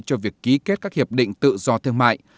cho việc ký kết các hiệp định tự do thương mại